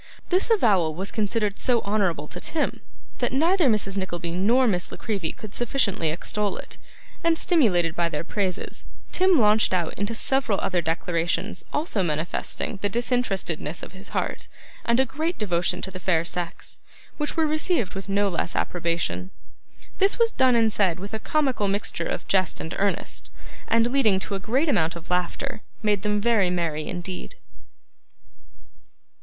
This avowal was considered so honourable to Tim, that neither Mrs. Nickleby nor Miss La Creevy could sufficiently extol it; and stimulated by their praises, Tim launched out into several other declarations also manifesting the disinterestedness of his heart, and a great devotion to the fair sex: which were received with no less approbation. This was done and said with a comical mixture of jest and earnest, and, leading to a great amount of laughter, made them very merry indeed.